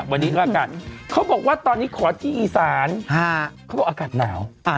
วันนี้ก็อากาศเขาบอกว่าตอนนี้ขอที่อีสานเขาบอกอากาศหนาว